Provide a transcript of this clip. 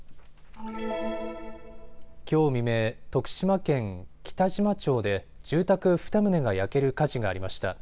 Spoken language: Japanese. きょう未明、徳島県北島町で住宅２棟が焼ける火事がありました。